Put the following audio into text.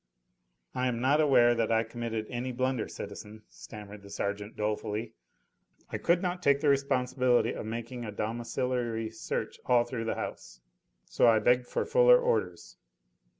"I am not aware that I committed any blunder, citizen," stammered the sergeant dolefully. "I could not take the responsibility of making a domiciliary search all through the house. So I begged for fuller orders."